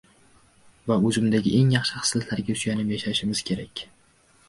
va o‘zimizdagi eng yaxshi xislatlarga suyanib yashashimiz kerak.